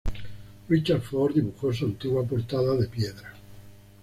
Richard Ford dibujó su antigua portada de piedra.